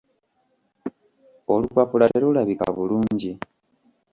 Olupapula terulabika bulungi.